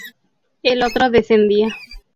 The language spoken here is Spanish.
El otro descendía.